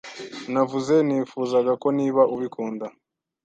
Navuze Nifuzaga ko niba ubikunda